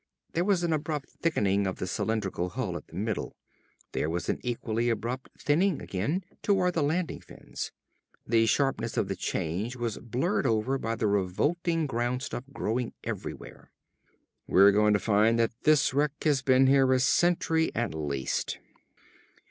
There was an abrupt thickening of the cylindrical hull at the middle. There was an equally abrupt thinning, again, toward the landing fins. The sharpness of the change was blurred over by the revolting ground stuff growing everywhere. "We're going to find that this wreck has been here a century at least!"